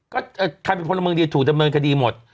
ใครเป็นพลเมืองดีถูกแต่เมืองก็ดีหมด